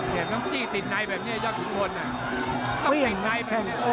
น้ำจี้ติดในแบบนี้ยอดขุนพลต้องติดในแบบนี้